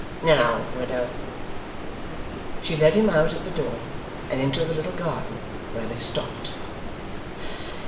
Now, widow.' She led him out at the door, and into the little garden, where they stopped.